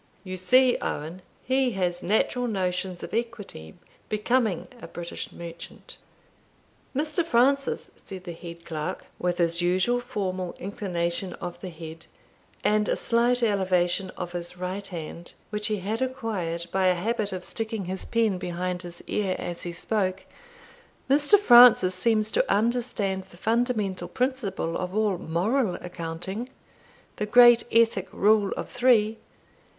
You see, Owen, he has natural notions of equity becoming a British merchant." "Mr. Francis," said the head clerk, with his usual formal inclination of the head, and a slight elevation of his right hand, which he had acquired by a habit of sticking his pen behind his ear before he spoke "Mr. Francis seems to understand the fundamental principle of all moral accounting, the great ethic rule of three.